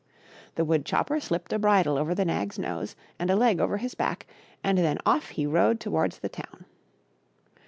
The wood chopper slipped a bridle over the nag*s nose and a leg over his back, and then off he rode towards the town.